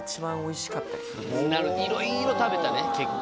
いろいろ食べた結果。